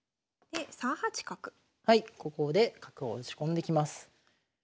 ここで角を打ち込んできます。